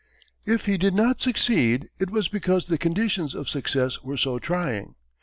If he did not succeed, it was because the conditions of success were so trying.